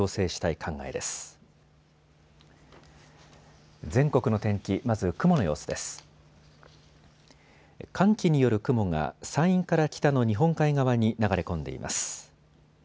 寒気による雲が山陰から北の日本海側に流れ込んでいます。